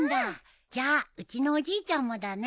じゃあうちのおじいちゃんもだね。